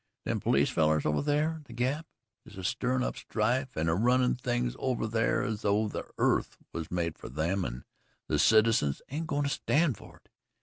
Them police fellers over thar at the Gap is a stirrin' up strife and a runnin' things over thar as though the earth was made fer 'em, an' the citizens ain't goin' to stand it.